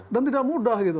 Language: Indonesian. dan tidak mudah